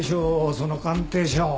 その鑑定書。